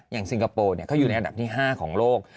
อย่างซิงกาโปร์เนี่ยเขาอยู่ในอันดับที่๕ของโลก